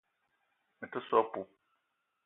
Me te so a poup.